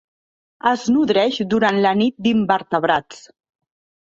Es nodreix durant la nit d'invertebrats.